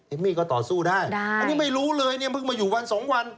มี่ก็ต่อสู้ได้อันนี้ไม่รู้เลยเนี่ยเพิ่งมาอยู่วันสองวัน